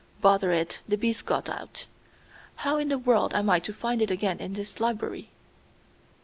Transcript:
"Bother it! The beast's got out. How in the world am I to find it again in this library!"